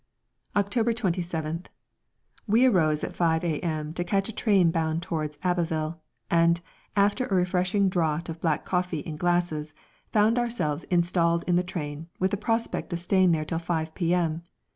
October 27th. We arose at 5 a.m. to catch a train bound towards Abbeville, and, after a refreshing draught of black coffee in glasses, found ourselves installed in the train, with the prospect of staying there till 5 p.m.